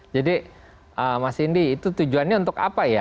jadi mas indi itu tujuannya untuk apa ya